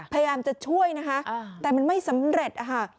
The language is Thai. พยายามจะช่วยแต่มันไม่สำเร็จ